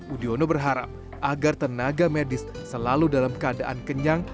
udiono berharap agar tenaga medis selalu dalam keadaan kenyang